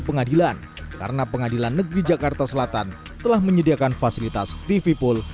pengadilan karena pengadilan negeri jakarta selatan telah menyediakan fasilitas tv pool